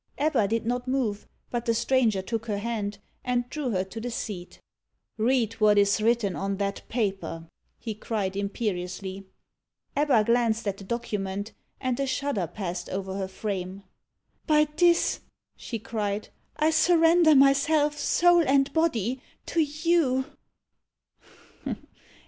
Ebba did not move, but the stranger took her hand, and drew her to the seat. "Read what is written on that paper," he cried imperiously. Ebba glanced at the document, and a shudder passed over her frame. "By this," she cried, "I surrender myself, soul and body, to you?"